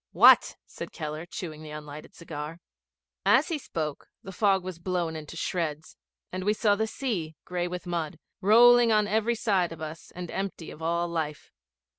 'What?' said Keller, chewing the unlighted cigar. As he spoke the fog was blown into shreds, and we saw the sea, gray with mud, rolling on every side of us and empty of all life.